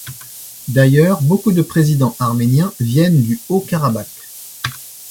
D'ailleurs, beaucoup de présidents arméniens viennent du Haut-Karabagh.